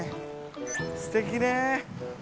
すてきね。